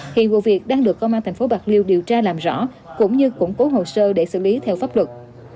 hiện vụ việc đang được công an thành phố bạc liêu điều tra làm rõ cũng như củng cố hồ sơ để xử lý theo pháp luật